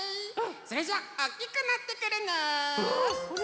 それじゃあおっきくなってくるね！